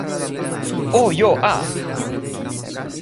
o jo a!